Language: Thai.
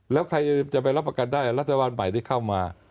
แล้วใครจะไปรับประกันได้รัฐบาลใหม่ที่เข้ามา